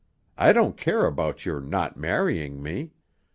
I don't care about your not marrying me.